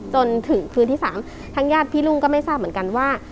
จนถึงคืนที่๓ทางญาติพี่รุ่งก็ไม่ทราบเหมือนกันว่า